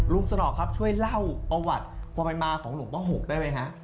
ลุงสนอกครับช่วยเล่าประวัติความมากของหลวงพ่อหกได้ไหมครับ